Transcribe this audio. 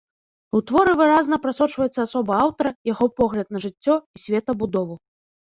У творы выразна прасочваецца асоба аўтара, яго погляд на жыццё і светабудову.